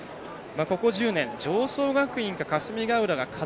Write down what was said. ここ１０年、常総学院か